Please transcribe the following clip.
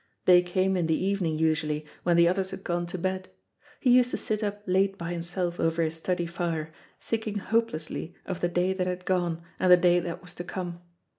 They came in the evening usually when the others had gone to bed. He used to sit up late by himself over his study fire, thinking hopelessly, of the day that had gone and the day that was to come.